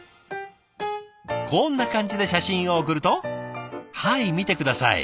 こんな感じで写真を送るとはい見て下さい。